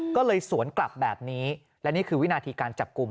ก็เลยสวนกลับแบบนี้และนี่คือวินาทีการจับกลุ่ม